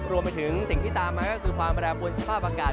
รวมไปถึงสิ่งที่ตามมาก็คือความแปรปวนสภาพอากาศ